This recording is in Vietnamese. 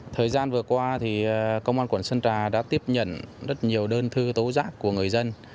thời gian vừa qua thì công an quận sơn trà đã tiếp nhận rất nhiều đơn thư tố giác của người dân